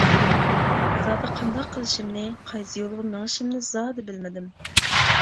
زادى قانداق قىلىشىمنى قايسى يولغا مېڭىشىمنى زادى بىلمىدىم.